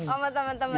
oh sama temen temen